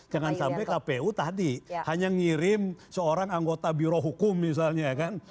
jangan sampai kpu tadi hanya ngirim seorang anggota birohukum misalnya kan